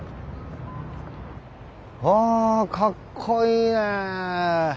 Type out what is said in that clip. あかっこいいね。